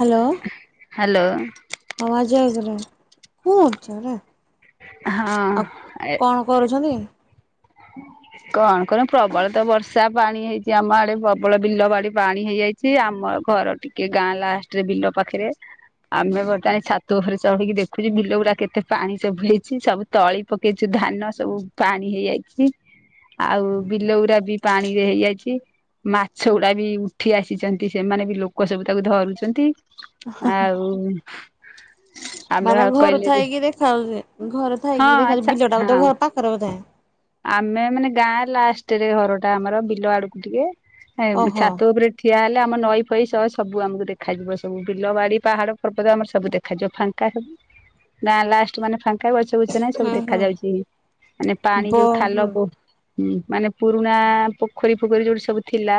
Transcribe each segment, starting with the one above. Hello. Hello. [unintelligible] ଆଉ ହଁ କଣ? କରୁଛନ୍ତି? କ କଣ ପ୍ରବଳ ତ ବର୍ଷା ପାଣି ହେଇଛି ଆମ ଆଡେ ପ୍ରବଳ ବିଲ ବାଡି ପାଣି ହେଇଯାଇ ଚି ଆମ ଘର ଟିକେ ଗାଁ ଲାଷ୍ଟରେ ବିଲ ପାଖରେ ଆମେ ଗୋଟାଏ ଛାତ ଉପରେ ଚଢିକି ଦେଖୁଛୁ ବିଲ ଗୁଡା କେତେ ପାଣି ସବୁ ହେଇଛି ସବୁ ତଳି ପକେଇଛୁ ଧାନ ସବୁ ପାଣି ହେଇଯାଇ ଆଉ ବିଲଉୁରା ବି ପାଣି ରେ ହେଇଯାଇଛି। ମାଛ ଗୁଡା ବି ଉଠି ଆସିଚନ୍ତି ସେମାନେ ବି ଲୋକ ସବୁ ତାକୁ ଧରୁଚନ୍ତି। ଆଉ ଆମର ମାନେ ଘରୁ କହିଲେ ଯେ ଥାଇକି ଦେଖାଉଡ଼ି ଘରେ ହଁ ଥାଇକି ବି ଦେଖା ଆଚ୍ଛା ବିଲଟା ହଁ ଗୋଟେ ଘର ପାଖରେ ବୋଧେ? ଆମେ ମାନେ ଗାଁ ଲାଷ୍ଟରେ ଘର ଟା ଆମର ବିଲ ଆଡକୁ ଟିକେ ଓହୋ ଛାତ ଉପରେ ଠିଆ ହେଲେ ଆମ ନଈ ଫଇ ସହ ସବୁ ଆମକୁ ଦେଖାଯିବ ସବୁ ବିଲବାଡି ପାହାଡ ପର୍ବତ ଆମର ସବୁ ଦେ ଖାଯ ଫାଙ୍କା ସବୁ ନା ଲାଷ୍ଟ ମାନେ ଫାଙ୍କା ବି ଅ ଟୁ ଚୂନା ସବୁ ହୁଁ ଦେଖାଯ ହୁଁ ଯାଉଛି ମାନେ ପାଣି ଯୋଉ ଖାଲ ବୋ ହୁଁ ମାନେ ପୁରୁଣା ପୋଖରୀ ଫୋଖରୀ ଯୋଉଠି ସବୁ ଥିଲା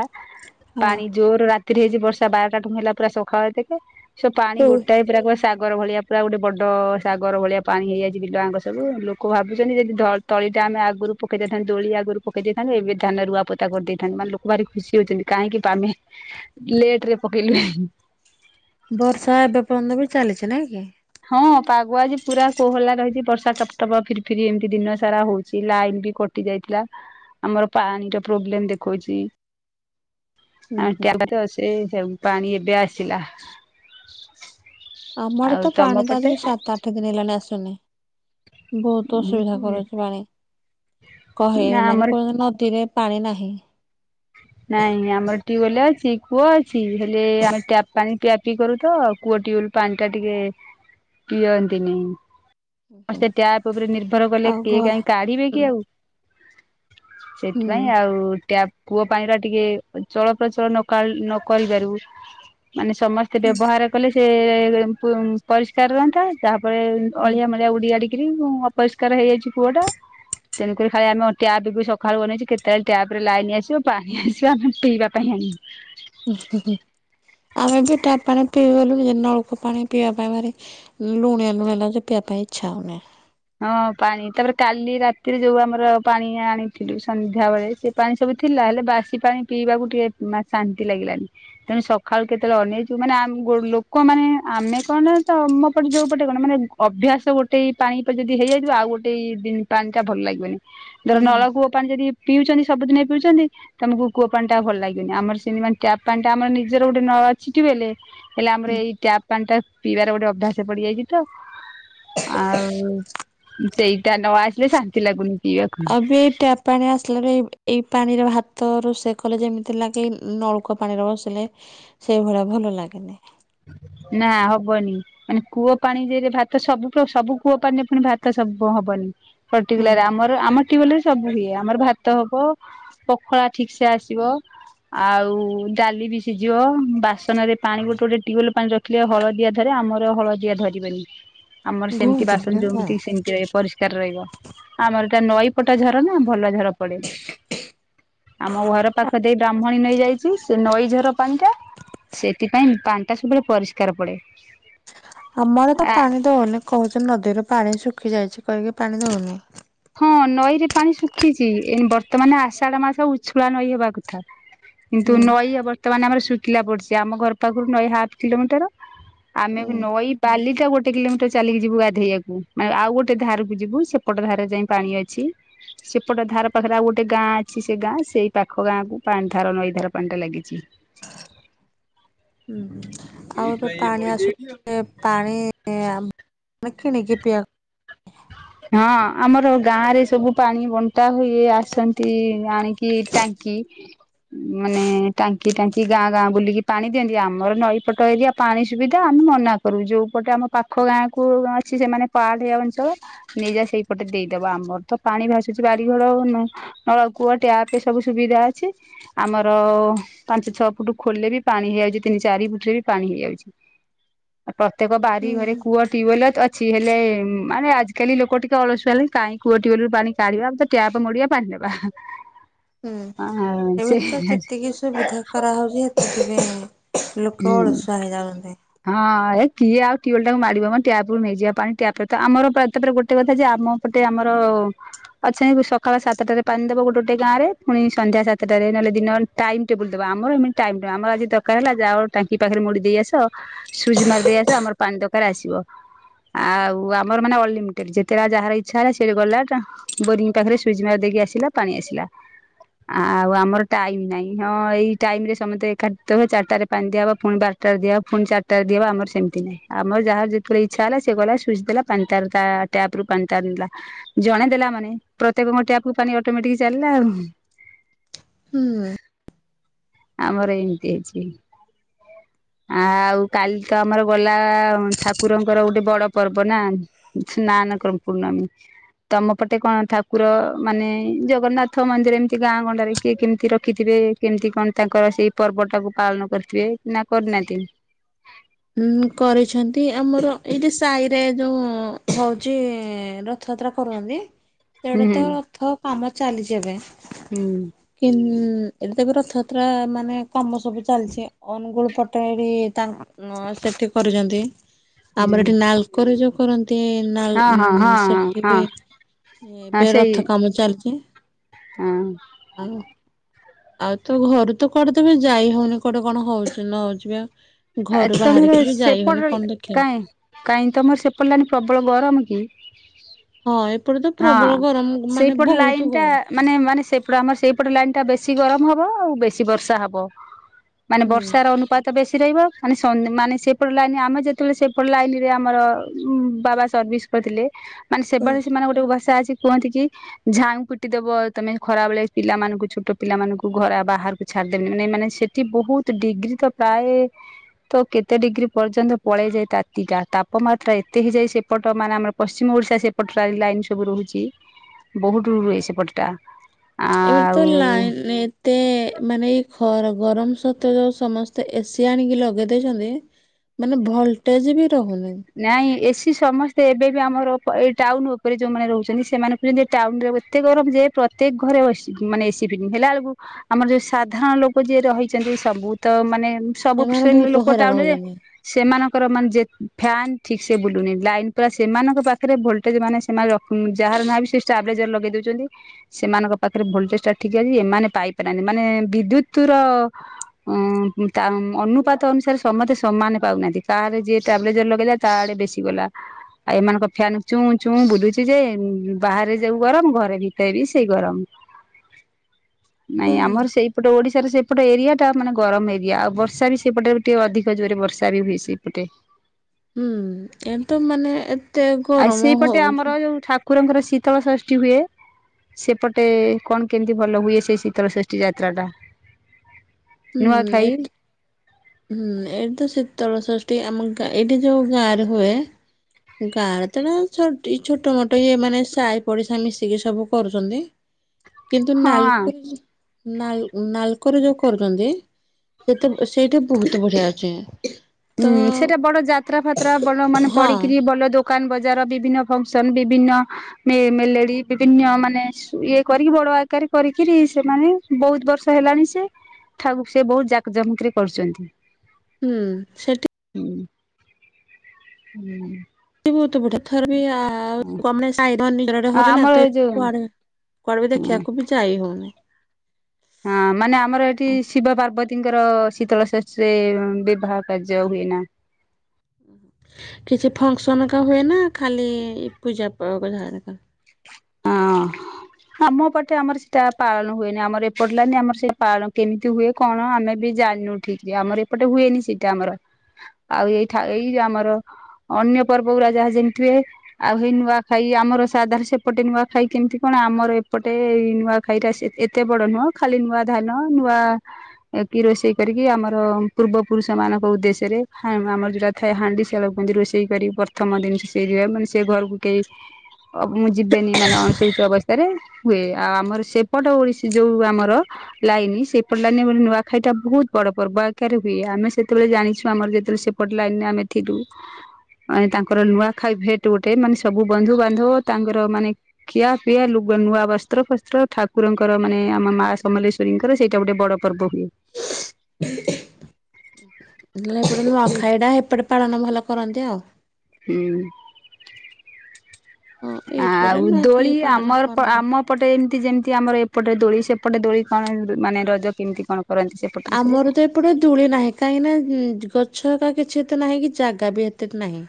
ହଁ। ପାଣି ଜୋର ରାତିରେ ହେଇଛି ବର୍ଷା ବାରଟା ଟୁ ହେଲା ପୁରା ସାଖାଳ ଟିକେ ସେ ପାଣି ହଉ। ଗୋଟା ଏ ପୁରା କ ସାଗର ଭଳିଆ ପୁରା ଗୋଟେ ବଡ଼ ସାଗର ଭଳିଆ ପାଣି ହେଇଯାଇଛି ବିଲଆଙ୍କ ସବୁ ଲୋକ ଭାବୁଛନ୍ତି ଯଦି ଧ ତଳି ଟା ଆମେ ଆ ଗରୁ ପକେଇ ଦେଥାନ ଦୋଳି ଆଗୁରୁ ପକେଇ ଦେଇଥାନ୍ତେ ଏବେ ଧାନ ରୁଆ ପୋତା କରିଦେଇଥାନ୍ ମାନେ ଲୋକ ଭାରି ଖୁସି ହଉଛନ୍ତି କାହିଁକି ତାମେ ଲେଟ ରେ ପକେଇଲୁ ହୁଁ। ବର୍ଷା ଏବେ ପର୍ଯ୍ୟନ୍ତ ବି ଚାଲିଛି ନାଇଁ କି? ହଁ ପାଗୁଆଜି ପୁରା କୋହଲା ରହିଛି ବର୍ଷା ଟପଟପ ଫିରି ଫିରି ଏମିତି ଦିନ ସାରା ହଉଛି ଲାଇନ ବି କ ଟି ଯାଇଥିଲା ଆମର ପାଣି ର ପ୍ରୋବ୍ଲେମ ଦେଖାଉଚି। ହୁଁ ହୁଁ ଆସୁ ପାଣି ଏବେ ଆସିଲା। ଆମଆଡେ ଆଉ ତ ତମ ପାଣି ପଟେ ଦିକି ସାତ ଆଠ ଦିନ ହେଲାଣି ଆସୁନି। ବହୁତ ଅସୁବିଧା ହୁଁ କରୁଛି ପାଣି କହେ ନା ମାନେ ଆମର କହେ ନଦୀରେ। ପାଣି ନାହିଁ। ନାଇଁ ଆମର ଟିୱଲ ଅଛି କୂଅ ଅଛି ହେଲେ ଟପ୍ ପାନୀ। କରୁ ତ କୂଅଟିଲ ପାଣି ଟା ଟିକେ ପିଅନ୍ତିନି। ଆ ସେ ଟ୍ୟାପ ଉପରେ ନିର୍ଭର କଲେ ଆଉ ଘ କେ କାହିଁ କାଢିବେ ହୁଁ କି ଆଉ। ହୁଁ ସେଥିପାଇଁ ଆଉ ଟ୍ୟାପ କୂଅ ପାଣି ଟା ଟିକେ ଚଳପ୍ରଚଳ ନ ନ କରିବାରୁ ମାନେ ସମସ୍ତ ତେ ବ୍ୟବହାର କଲେ ସେ ପରିଷ୍କାର ରହନ୍ତା ତାପରେ ଅଳିଆ ମଲୀଆ ଉଡି ଆଡିକରି ମୁଁ ଅପରିଷ୍କାର ହେଇଯାଇଛି କୁଅ ଟା ତେୁକରି ଖାଲି ଆମ ଟ୍ୟାପ ବି ସକାୁନେଇଛୁ କେତେବେଳେ ଟ୍ୟାବ ରେ ଲାଇନ ଆସିବ ପାଣି ଆସିବା ଆମେ ପିଇବା ପାଇଁ ଆଣିବୁ। ଆମେ ବି ତା ପାଣି ପିଇଗଲୁ ନଳକ ପାଣି ପିଇବା ପାଇଁ ମାର। ଲୁଣଆ ଲୁଣ ଲାଗଛ ପି ପାଇଁଇଚଛା ହନେ। ହଁ ପାଣି ତାପରେ କାଲି ରାତିରେ ଯୋଉ ଆମର ପାଣି ଆଣିଥିଲୁ ସନ୍ଧ୍ୟାବେେଳେ ସେ। ପାଣି ସବୁ ଥିଲା ହେଲେ ବାସି ପାଣି ପିଇବାକୁ ଟିକେ ଶାନ୍ତି ଲାଗିଲାନି। ତେଣୁ ସକାଳୁ କେତେବେଳେ ଅନେଇଛୁ ମାନେ ଲୋକ ମାନେ ଆମେ କଣ ତ ଆମ ପଟେ ଯୋଉ ପଟେ କଣ ମାନେ। ଅଭ୍ୟାସ ଗୋଟେ ପାଣି ପାଇଁ ଯଦି ହେଇଯାଇଥିବ ଆଉ ଗୋଟେ ଦ ପାଣି ଟା ଭଲ ଲାଗିବନି ଧର ହୁଁ। ନଳକୂ ପାଣି ଯଦି ପିଉଛନ୍ତି ସବୁଦିନ ପିଉଛନ୍ତି। ତମକୁୁ କୂଅ ପାଣି ଟା ଭଲ ଲାଗିବନି ଆମର ସେ ପାଣି ଟା ଆମ ନିଜର ଗୋଟେ ନ ଚଛିଟି ବ ହେଲେ। ହେଲେ ଆମର ଏଇ ଟ୍ୟାପ ପାଣି ଟା ପିଇବାର ଗୋଟେ ଅଭ୍ୟାସ ପଡିଯାଇଛି ତ ଆଉ। ସେଇଟା ନ ଆସିଲେ ଶାନ୍ତି ଲାଗୁନି। ପିଇବାକୁ ଆବେ ଏ ଟପ୍। ପାଣି ଆସିଲାରୁ ଏଇ ପାଣିର ହାତ ରୋଷେଇ କଲେ ଯେମିତି ଲାଗି ନଳକା ପାଣିରେ ବସିଲେ। ସେଇ ଭଡା ଭଲ ଲାଗେନି। ନା ହବନି। ମାନେ କୂଅ ପାଣି ଯେ ଭାତ ସବୁ ସବୁ କୂଅ ପାଣିରେ ପୁଣି ଭାତ ସବୁ ହବନି। ହୁଁ। ପର୍ଟିକୁଲାର ଆମର ଆମ। ସବୁ ହୁଏ ଆମର ଭାତ ହବ ପଖଳା ଠିକ ସେ ଆସିବ। ଆଉ ଡାଲି ବି ସିଝିବ ବାସନ ରେ ପାଣି ଗୋଟେ ଗୋଟେ। ଟ୍ୟୁବଲ ପାଣି ରଖିଲେ ହଳଦିଆ ଧରି ଆମର ହଳଦିଆ ଧରିବେନି। ଆମର ସେମିତି ଘୁଞ୍ଚୁନି ବାସନ ହେଲା। ଯେୋମିତି ସେମିତିହିବ ପରିଷ୍କାର ରହିବ। ଆମର ଏଟା ନଈ ପଟା ଝର ନା ଭଲ ଝର ପଡେ। ଆମ ଘର ପାଖ ଦେଇ ବ୍ରାହ୍ମଣୀ ନେଇଯାଇଛି ସେ ନଈଝର ପାଣିଟା। ସେଥିପାଇଁ ପାଣିଟା ସବୁବେଳେ ପରିଷ୍କାର ପଡେ। ଆମର ତ ଆ ପାଣି ଦଉନି କହୁଛ ନଦୀରୁ ପାଣି ଶୁଖି ଯାଇଛି କହିକି ପାଣି ଦଉନି। ହଁ ନଈରେ ପାଣି ଶୁଖିଛି ଏ ବର୍ତ୍ତମାନ ଆଷାଢ ମାସ ଉଛୁଳା ନଈ ହେବା କଥା। କିନ୍ତୁ ହୁଁ ନଈ ବର୍ତମାନ ଆମ ଶଖିଲା ପଡୁଛି ଆମ ଘର ପାଖରୁ ନଈ ହାଫ୍ କିଲୋମିଟର। ଆମେ ବି ହୁଁ। ନଈ ବାଲିଟା ଗୋଟେ କିଲୋମିଟର୍ ଚାଲିକି ଯିବୁ ଗାଧେଇଆକୁ ମାନେ ଆଉ ଗୋଟେ ଧାରୁକୁ ଯିବୁ ସେପଟ ଧାର ଯାଇ ପାଣି ଅଛି। ସେପଟ ଧାର ପାଖରେ ଆଉ ଗୋଟେ ଗାଁ ଅଛି ସେ ଗାଁ ସେଇ ପାଖ ଗାଁକୁ ପାଁ ଧାର ନଈ ଧାର ପାଣିଟା ଲାଗିଚି। ଉଁ ଆଉ ଏବେ ପାଣି ଆସୁ ଏ ପାଣି ଆ ନେ କିଣିକି ପିଇଆ ହଁ ଆମର ଗାଁରେ ସବୁ ପାଣି ବଣ୍ଟା ହୁଏ ଆସନ୍ତି ଆଣିକି ଟାଙ୍କି। ମାନେ ଟାଙ୍କି ଟାଙ୍କି ଗାଁ ଗାଁ ବୁଲିକି ପାଣି ଦିଅନ୍ତି ଆମର ନଈପଟ ଏରିଆ ପାଣି ସୁବିଧା ଆମେ ମନାକରୁ ଯୋଉ ପଟେ ଆମ ପାଖ ଗାଁକୁ ଅଛି ସେମାନେ ପାହାଡ଼ିଆ ଅଞ୍ଚଳ। ନେଇଯା ସେଇପଟେ ଦେଇଦବ ଆମର ତ ପାଣି ଭାସୁଚି ବାଡି଼ଘର ଆଉ ନ। ନଳକୂଅ ଟ୍ୟାପେ ସବୁ ସୁବିଧା ଅଛି। ଆମର ପାଞ୍ଚ ଛଅ ଫୁଟୁ ଖୋଳିଲେ ବି ପାଣି ହେଇଯାଉଚି ତିନି ଚାରି ଫୁଟରେ ବି ପାଣି ହେଇଯାଉଚି। ଅ ପ୍ରତ୍ୟେକ ହୁଁ ବାରି ଘରେ କୂଅ ଟ୍ୟୁଅଲ୍ ଅଛି ହେଲେ ମାନେ ଆଜ୍ କାଲି ଲୋକ ଟିକେ ଅଳସୁଆ ହେଲେଇଁ କାଇଁ କୂଅ ଟିଅଲ୍ ରୁ ପାଣି କାଢ଼ିବା ଆମେ ତ ଟ୍ୟାପ୍ ମୋଡି଼ବା ପାଣି ନେବା। ହୁଁ ସେ ଏମିତି ତ ଯେତିକି ସୁବିଧା କରା ହଉଚି ହେ ଥିବେ ହୁଁ ଲୋକ ଅଳସୁଆ ହେଇଯାଉନ୍ତି। ହଁ ଏ କିଏ ଆଉ ଟିଅଲ୍ ଟାକୁ ମାଡି଼ବ ମ ଆମ ଟ୍ୟପ୍ ରୁ ନେଇଯିବା ପାଣି ଟ୍ୟାପ୍ ରେ ତ ଆମର ପ୍ରାୟ ତ ଫେରେ ଗୋଟେ କଥା ଯେ ଆମ ପଟେ ଆମର ଅଛନ୍ତି ସକାଳ ସାତଟାରେ ପାଣିଦବ ଗୋଟେ ଗୋଟେ ଗାଁରେ ଫୁଣି ସନ୍ଧ୍ୟା ସାତଟାରେ ନହେଲେ ଦିନ ଟାଇମ୍ ଟେବୁଲ୍ ଦବା ଆମର ହେମିତି ଟାଇମ୍ ଟେ ଆମର ଆଜି ଦରକାର ହେଲା ଆଜ୍ ଯାଅ ଟାଙ୍କି ପାଖେରେ ମୋଡ଼ି ଦେଇ ଆସ ସୁଇଜ୍ ମାରି ଦେଇ ଆସ ଆମର ପାଣି ଦକାରେ ଆସିବ। ଆଉ ଆମର ମାନେ ଅଲିମିଟେଡ୍ ଯେତେରା ଯାହାର ଇଚ୍ଛା ହେଲା ସିଏ ଗଲା ଟା ବୋରିଂ ପାଖରେ ସୁଇଜ୍ ମାରି ଦେଇକି ଆସିଲା ପାଣି ଆସିଲା। ଆଉ ଆମର ଟାଇମ୍ ନାଇଁ ହଁ ଏଇ ଟାଇମ୍ ରେ ସମତେ ଏଖାଟି ତ ହେବେ ଚାରିଟାରେ ପାଣିି ଦିଆହବ ପୁଣି ବାରଟାରେ ଦିଆହବ ଫୁଣି ଚାରିଟାରେ ଦିଆହବ ଆମର ସେମତି ନାଇଁ ଆମର ଯାହାର ଯେତୋଳେ ଇଚ୍ଛା ହେଲା ସିଏ ଗଲା ସୁଇଜ୍ ଦେଲା ପାଣି ତାର ତା ଟ୍ୟାପ୍ ରୁ ପାଣି ତାର ନେଲା। ଜଣେ ଦେଲା ମାନେ ପ୍ରତ୍ୟେକଙ୍କ ଟ୍ୟାପ୍ ରୁ ପାଣି ଅଟୋମେଟିକ୍ ଚାଲିଲା ଆଉ। ହୁଁ। ଆମର ଏମତି ହେଇଚି। ଆଉ କାଲି ତ ଆମର ଗଲା ଅଁ ଥା କୁରଙ୍କର ଗୋଟେ ବଡ଼ ପର୍ବ ନା ସ୍ନାନକ ପୂର୍ଣ୍ଣମୀ। ତମ ପଟେ କଣ ଠାକୁର ମାନେ ଜଗନ୍ନାଥ ମନ୍ଦିର ଏମିତି ଗାଁ ଗଣ୍ଡାରେ କିଏ କେମିତି ରଖିଥିବେ। କେମତି କଣ ତାଙ୍କର ସେଇ ପର୍ବଟାକୁ ପାଳନ କରିଥିବେ ନାଁ କରିନାହାନ୍ତି? ଉଁ ହୁଏ କରିଛନ୍ତି ଆମର ଏଇଠି ସାଇରେ ଯୋଉ ହଉଛି ର ଥଯାତ୍ରା କରୁଅନ୍ତି। ହୁଁ ଏଡ଼େ ତ ହୁଁ ରଥ କାମ ଚାଲିଚି ଏବେ ହୁଁ କିଁ ଏଠି ତ ଏବେ ରଥଆତ୍ରା ମାନେ କାମ ସବୁ ଚାଲଚି ଅନୁଗୁଳ ପଟେ ବି ତାଁ ନୂଆ ସେଠି କରୁଚନ୍ତି ଆମର ହୁଁ ଏଠି ନାଲକୋରେ ଯୋଉ କରନ୍ତି ହଁ ନାଳ୍ ହଁ ହଁ ହଁ ସେଠି ହଁ ବିି ଏ ହଁ ପେ ସେଇ ରଥ କାମ ଚାଲଚି। ହଁ। ଆଉ ଆଉ ତ ଘରୁ ତ କୁଆଡ଼େ ତ ଏବେ ଯାଇ ହଉନି କୁଆଡ଼େ କଣ ହଉଚି ନ ହଉଚି ବା ଆ ଏ ଘରୁ ତମର ବାହାରିକି ବି ଯାଇ ହଉନି ସେପଟ କଣ ଦେଖିବା କାଇଁ କାଇଁ ତମର ସେପଟ ଲାଇନ୍ ପ୍ରବଳ ଗରମ କି? ହଁ ଏପଟେ ତ ହଁ ପ୍ରବଳ ଗରମ ମାନେ ସେଇପଟ ଲାଇନ ବହୁତ ଟା ଗରମ। ମାନେ ମାନେ ସେପଟ ଆମର ସେଇ ପଟ ଲାଇନ୍ ଟା ବେଶୀ ଗରମ ହବ ଆଉ ବେଶୀ ବର୍ଷା ହବ। ମାନେ ବର୍ଷାର ହୁଁ। ଅନୁପାତ ବେଶୀ ରହିବ। ମାନେ ସନ୍ ମାନେ ସେଇପଟ ଲାଇନ୍ ଆମେ ଯେତୋଳେ ସେଇପଟ ଲାଇନ୍ ରେ ଆମର ବାବା ସର୍ଭିସ୍ କରିଥିଲେ ମାନେ ସେ ବେଳେ ସେମାନେ ଗୋଟେ ଉ ଭାଷା ଅଛି କୁହନ୍ତି କି ଝାଉଁ ପିଟିଦବ ତମେ ଖରାବେଳେ ପିଲାମାନଙ୍କୁ ଛୋଟ ପିଲାମାନଙ୍କୁ ଘରା ବାହାରୁକୁ ଛାଡିଦେବେନି ମାନେ ଏମାନେ ସେ ତି ବହୁତ୍ ଡିଗ୍ରୀ ତ ପ୍ରାଏ ତ କେତେ ଡିଗ୍ରୀ ପର୍ଯ୍ୟନ୍ତ ପଳେଇଯାଏ ତାତିକା ତାପମାତ୍ରା ଏତେ ହେଇଯାଏ ସେପଟ ମାନେ ଆମର ପଶ୍ଚିମ ଓଡ଼ିଶା ସେ ପଟ ରାଏ ଲାଇନ ସବୁ ରହୁଛି ବହୁଟୁ ରୁହେ ସେପଟଟା। ଏବେ ତ ଆଉ ଲାଇନ ଲେ ତେ ମାନେ ଏଇ ଖର ଗରମ ସତ ଯୋଉ ସମସ୍ତେ ଏସିି ଆଣିକି ଲଗେଇ ଦେଇଛନ୍ତି। ମାନେ ଭଲଟେଜ୍ ବି ରହୁନି। ନାଇଁ ଏସି ସମସ୍ତେ ଏବେ ବି ଆମର ଓପ ଏ ଟାଉନ ଉପରେ ଯୋଉମାନେ ରହୁଚ଼ନ୍ତି ସେମାନେ [unintelligible] ଟାଉନ ରେ ଏତେ ଗରମ ଯେ ପ୍ରତ୍ୟେକ ଘରେ ଓଏସି ମାନେ ଏସି ଫିଟ୍ ହେଲା ଏଳୁକୁ ଆମର ଯୋଉ ସାଧାରଣ ଲୋକ ଯିଏ ରହିଚ଼ନ୍ତି ସବୁ ତ ମାନେ ସବୁପ୍ ସେମାନେ ଶ୍ରେଣୀର ବହୁତ ଲୋକ ହଇରାଣ ଟାଉନ ରେ ହଉଛନ୍ତି। ସେମାନଙ୍କର ମାନେ ଯେ ଫ୍ୟାନ୍ ଠିକ୍ ସେ ବୁଲୁନି ଲାଇନ୍ ପୁରା ସେମାନଙ୍କ ପାଖରେ ଭୋଲ୍ଟେଜ ମାନେ ସେମାନେ ରଖୁନ୍ ଯାହାର ନାଇଁ ବି ସେ ଚାବ୍ଲେଜର ଲଗେଇ ଦଉଚ଼ନ୍ତି। ସେମାନଙ୍କ ପାଖରେ ଭୋଲଟେଜ୍ ଟା ଠିକ୍ ଅଇ ଏମାନେ ପାଇପାରନି ମାନେ ବିଦ୍ୟୁତୁ ର ଉଁ ଉଁ ତା ଉଁ ଅନୁପାତ ଅନୁସାରେ ସମତେ ସମାନ ପାଉନାହାନ୍ତି କାହାରେ ଯିଏ ତା ଲେଜର ଲଗେଇଲା ତା ଆଡେ ବେଶି ଗଲା। ଆଉ ଏମାନଙ୍କ ଫ୍ୟାନେ ଚୁଁ ଚୁଁ ବୁଲୁଚି ଯେ ଉଁ ବାହାରେ ଯଉ ଗରମ ଘରେ ଭିତେ ଏ ବି ସେଇ ଗରମ। [unintelligible] ନାଇଁ ଆମର ସେଇ ପଟ ଓଡିଶାରେ ସେପଟ ଏରିଆ ଟା ମାନେ ଗରମ ଏରିଆ ଆଉ ବର୍ଷା ବି ସେପଟେ ବି ଟିକେ ଅଧିକ ଜୋରେ ବର୍ଷା ବି ହୁଏ ସେଇପଟେ। ଉୁଁ ଏମ୍ ତବ ମାନେ ଏ ଆଇ ସେଇପଟେ ଆମର ଯୋଉ ଠାକୁରଙ୍କର ଶୀତଳ ଷଷ୍ଟୀ ହୁଏ। ସେପଟେ କଣ କେମିତି ଭଲ ହୁଏ ସେଇ ଶୀତଳ ଷଷ୍ଟୀ ଯାତ୍ରା ଟା? ହୁଁ ଏ ନୂଆଖାଇ। ହୁଁ ଏଇଠି ତ ଶୀତଳ ଷଷ୍ଟୀ ଆମ ଗାଁ ଏଇଠି ଯୋଉ ଗାଁ ରେ ହୁଏ। ଗାଁ ରେ ତର ଛୋଟି ଛୋଟ ମୋଟ ଇଏ ମାନେ ସାଇ ପଡିଶା ମିଶିକି ସବୁ କରୁଚ଼ନ୍ତି। [unintelligible] କିନ୍ତୁ ହଁ ନାଲକୋରେ ଯୋଉ ନାଲ୍ ନାଲକୋରେ ଯୋଉ କରୁଚ଼ନ୍ତି ସେତବ୍ ଅ ସି [unintelligible] ଇଠି ବହୁତ ବଢିଆ ଅଚ଼ି। ଉୁଁ ସେଟା ବଡ ଯାତ୍ରା ଫାତ୍ରା ଭଲ ମାନେ ହଁ ପଡିକିରି ଭଲ ଦୋ କାନ୍ ବଜାର ବିଭିନ୍ନ ଫଙ୍କସନ୍ ବିଭିନ୍ନ ମେ ମେଲେଡି ବିଭିନ୍ନ ମାନେ ସୁ ଇଏ କରିକି ବଡ ଆକାରେ କରିକିରି ସେମାନେ ବହୁତ୍ ବର୍ଷ ହେଲାଣି ସେ ଥାଉ ସେ ବହୁତ ଜାକ୍ ଜମକରେ କରୁଚ଼ନ୍ତି। ଉୁଁ ସେଠୀ ଉୁଁ ଉୁଁ। ଇ ବହୁତୁ ବଢିଆ। ଥର ବି ଆ [unintelligible] କୁଆରେ ଆ ଆମର ଏ ଯୋଉ କୁଆଡ଼େ ବି ହଁ ଦେଖିଆକୁ ବି ଚାଇ ହଉନି। ହଁ ମାନେ ଆମର ଏଠି ଶିବ, ପାର୍ବତୀଙ୍କର ଶୀତଳ ଷଷ୍ଠୀରେ ବିବାହ କାର୍ଯ୍ୟ ହୁଏ ନା। କିଛି ଫଙ୍କସନ୍ କା ହୁଏ ନା ଖାଲି ପୂଜା ପର୍ବ [unintelligible] ହାରିକା? ଅଁ। ଆମ ପଟେ ଆମର ସେଟା ପାଳନ ହୁଏନି ଆମର ଏପଟ୍ ଲାଇନ୍ ଏ ଆମର ସେ ପାଳ କେମିତି ହୁଏ କଣ ଆମେ ବି ଜାନୁ ଠିକ୍ ରେ ଆମର ଏପଟେ ହୁଏନି ସେଇଟା ଆମର। ଆଉ ଏଇଠା ଏଇ ଆମର ଅନ୍ୟ ପର୍ବ ଗୁରା ଯାହା ଯେମିତି ହୁଏ ଆଉ ହେଇ ନୂଆଖାଇ ଆମର ସାଧାର ସେ ପଟେ ନୂଆଖାଇ କେମିତି କଣ ଆମର ଏପଟେ ଏଇ ନୂଆଖାଇଟା ସେ ଏତେ ବଡ ନୁହଁ ଖାଲି ନୂଆ ଧାନ ନୂଆ କି ରୋଷେଇ କରିକି ଆମର ପୂର୍ବ ପୁରୁଷ ମାନଙ୍କ ଉଦ୍ଦେଶ୍ୟରେ ଖାଇମୁ ଆମର ଯୋଉଟା ଥାଏ ହାଣ୍ଡିଶାଳ କୁଅନ୍ତି ରୋଷେଇ କରି ପ୍ରଥମ ଦିନସ ସେ ରୁଏ ମାନେ ସେ ଘରୁକୁ କେହି ଅ ବ୍ ମୁଁ ଯିବେନି ମାନେ ଅଣଶୌଚ ଅବସ୍ତାରେ ହୁଏ ଆଉ ଆମର ସେପଟ ଓଡିଶୀ ଯୋଉ ଆମର ଲାଇନି ସେଇପଟ ଲାଇନରେ [unintelligible] ନୂଆଖାଇଟା ବୋହୁତ୍ ବଡ ପର୍ବ ଆକାରରେ ହୁଏ ଆମେ ସେତେବେଳେ ଜାଣିଛୁ ଆମର ଯେତେବେଳେ ସେ ପଟ ଲାଇନରେ ଆମେ ଥିଲୁ। ଅ ଏ ତାଙ୍କର ନୂଆଖାଇ ଭେଟ୍ ଗୋଟେ ମାନେ ସବୁ ବନ୍ଧୁବାନ୍ଧବ ତାଙ୍କର ମାନେ ଖିଆ ପିଆ ଲୁଗା ନୂଆ ବସ୍ତ୍ର ଫସ୍ତ୍ର ଠାକୁରଙ୍କର ମାନେ ଆମ ମାଆ ସମଲେଶ୍ଵରୀଙ୍କର ସେଇଟା ଗୋଟେ ବଡ ପର୍ବ ହୁଏ। ହେଲେ ଏପଟ ନୂଆଖାଇଟା ହେପଟେ ପାଳନ ଭଲ କରନ୍ତି ଆଉ। ହୁଁ। ହଁ ଏପଟେ ଆଉ ନୂଆଖାଇ ଦୋଳି ପାଳନ ଆମର ପ କରନ୍ତି। ଆମ ଏପଟେ ଏମତି ଯେମତି ଆମର ଏପଟେ ଦୋଳି ସେପଟେ ଦୋଳି କଣ ଏ ମାନେ ରଜ କେମିତି କଣ କରନ୍ତି ସେ ଆମର ତ ଏ ଏପଟେ ଦୂଳି ନାହିଁ କାହିଁକିନା ଉଁ ଜ ଗଛ ହେକା କିଛି ଏତେ ନାହିଁ କି ଜାଗା ବି ଏତେ ନାହିଁ।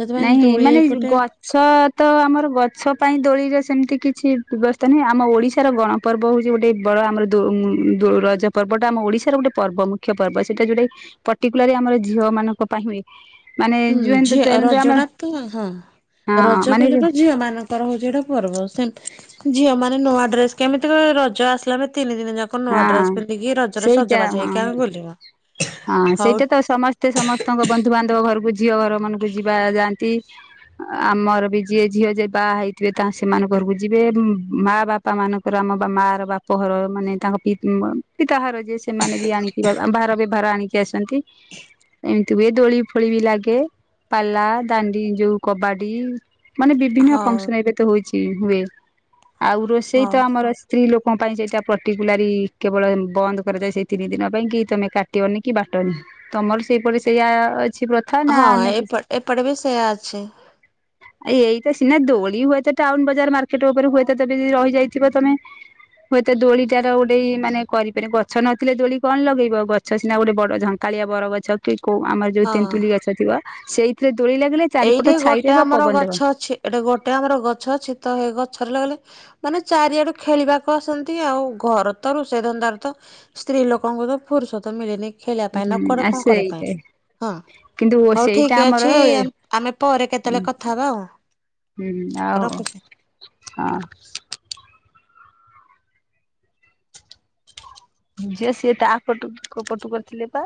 ସେଥିପାଇଁ ନାହିଁ ଦୋଳି ମାନେ ଯୋଉ ଏଇପଟେ ଗ ଛ ତ ଆମର ଗଛ ପାଇଁ ଦୋଳିର ସେମତି କିଛି ବ୍ୟବସ୍ଥା ନାହିଁ ଆମ ଓଡିଶାର ଗଣ ପର୍ବ ହୋଉଚି ଗୋଟେ ବଡ ଆମର ଦୋ ଉଁ ଦୋ ରଜ ପର୍ବଟା ଆମ ଓଡିଶାର ଗୋଟେ ପର୍ବ ମୁଖ୍ୟ ପର୍ବ ସେଇଟା ଯୋଉଟାକି ପର୍ଟିକୁଲାରି ଆମର ଝିଅମାନଙ୍କ ପାଇଁ ବି ମାନେ ହୁଁ ଯୋଉ ଏମତି ରଜଟା ତ ହଁ ରଜ ମାନେ କହିଲେ ହଁ ତ ଝିଅ ମାନ ତାର ହୋଉଚି ଏଇଟା ପର୍ବ ସେମ ଝିଅମାନେ ନୂଆ ଡ୍ରେସ କେମିତି କଏ ରଜ ଆସିଲା ଆମେ ତିନିଦିନି ଯା କ ନୂଆଡ୍ରେସ ପିନ୍ଧିକି ରଜରେ ସେଇଟା ସଜବାଜ ହଁ ହେଇକି ଆମେ ବୁଲିବା। ହଁ ହଉ ସେଇଟା ତ ସମସ୍ତେ ସମସ୍ତଙ୍କ ବନ୍ଧୁବାନ୍ଧବ ଘରକୁ ଝିଅଘର ମାନଙ୍କୁ ଯିବା ଯାଆନ୍ତି। ଆ-ଆମର ବି ଯିଏ ଝିଅ ଯେ ବାହା ହେଇଥିବେ ତା ସେମାନ ଘରକୁ ଯିବେ ଭୁଁ ମା ବା ପା ମାନଙ୍କର ଆମ ବା ମାଆର ବାପଘର ମାନେ ତାଙ୍କ ପି ଅଁ ପିତାଘର ଯେ ସେମାନେ ବି ଆଣିଥିବା ଆ ଭାର ବେ ଭାର ଆଣିକି ଆସନ୍ତି। ଏମିତି ହୁଏ ଦୋଳିଫୋଳି ବି ଲାଗେ ପାଲା ଦାଣ୍ଡି ଯୋଉ କବାଡି। ମାନେ ବିଭିନ୍ନ ହଉ ଫଙ୍କସନ ଏବେ ତ ହୋଉଛି ହୁଏ ଆଉ ରୋଷେଇ ହଉ ତ ଆମର ସେ ସ୍ତ୍ରୀ ଲୋକଙ୍କ ପାଇଁ ସେଇଟା ପର୍ଟିକୁଲାରି କେବଳ ବନ୍ଦ କରାଯାଏ ସେଇ ତିନି ଦିନ ପାଇଁ କି ତମେ କା ଟିବନି କି ବାଟନି ତମର ସେଇପଟେ ସେଇଆ ଅଛି ପ୍ର ହଁ ଏପ ଏପଟେ ବି ସେୟା ଅଛି। ଆ ଏଇଟା ସିନା ଦୋଳି ହୁଏତ ଟାଉନ ବଜାର ମାର୍କେଟ ଓପରେ ହୁଏତ ତେବି ଯଦି ରହିଯାଇଥିବ ତମେ ହୁଏତ ଦୋଳିଟାର ଗୋଟେ ଇ ମାନେ କରିପାରି ଗଛ ନଥିଲେ ଦୋଳି କଣ ଲଗେଇବ ଗ ଗଛ ସିନା ଗୋଟେ ବଡ ଝଙ୍କାଳିଆ ବରଗଛ କି କୋଉ ଆମର ଯୋଉ ହଁ। ତେନ୍ତୁଲି ଗଛ ଥିବ ସେଇଥିରେ ଦୋଳି ଲାଗିଲେ ଚାରିପଟ ଏଇଠି ଏଇ ଛାଇ ଗୋଟେ ରହିବ ଆମର ପବନ ଦବ। ଗଛ ଅଛି ଏଟା ଗୋଟେ ଆମର ଗଛ ଅଛି ତ ଏଇ ଗଛରେ ଲଗେଇଲେ ମାନେ ଚାରିଆଡୁ ଖେଳିବାକୁ ଆସନ୍ତି ଆଉ ଘର ତ ରୋଷେଇ ଧନ୍ଦାରେ ତ ସ୍ତ୍ରୀ ଲୋକଙ୍କୁ ତ ଫୁରୁଷତ ମିଳେନି ଖେଳିବା ପାଇଁ ନା ହୁଁ କୁଆଡେ ଆ କଣ କରିବା ପାଇଁ ସେଇଟା ହଁ କିନ୍ତୁ ହୋଉ ସେଇଟା ଠିକ ଆମର ଅଛି ଏମ୍ ଆମେ ପରେ କେତଳେ କଥା ହବା ଆଉ ହୁଁ ଆଉ ରଖୁଚି। ହଁ। ଯିଏ ସିଏ ତା ପଟୁ କୋଉ ପଟୁ କରିଥିଲେ ପା।